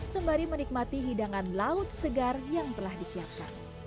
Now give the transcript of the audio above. sembari menikmati hidangan laut segar yang telah disiapkan